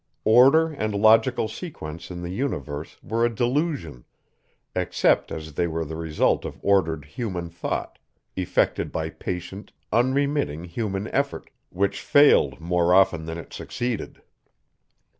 Order and logical sequence in the universe were a delusion except as they were the result of ordered human thought, effected by patient, unremitting human effort, which failed more often than it succeeded.